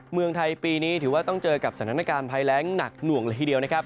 เมืองไทยปีนี้ถือว่าต้องเจอกับสถานกรรมไพร้งด์หยากหน่วงละครูลอย่างเดียว